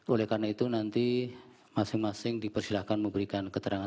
oleh karena itu nanti masing masing dipersilahkan memberikan keterangan